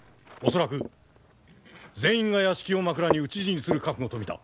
恐らく全員が屋敷を枕に討ち死にする覚悟と見た。